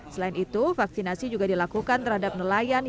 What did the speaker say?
selain itu vaksinasi juga dilakukan terhadap nelayan